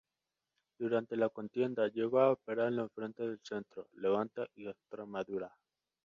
Durante la contienda llegó a operar en los frentes del Centro, Levante y Extremadura.